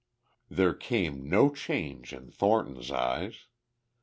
There came no change in Thornton's eyes.